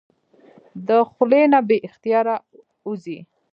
د خلې نه بې اختياره اوځي